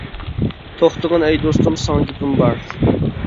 توختىغىن ئەي دوستۇم ساڭا گېپىم بار.